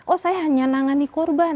oh saya hanya menangani korban